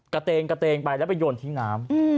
กระเตงไปแล้วไปยนทิ้งน้ำ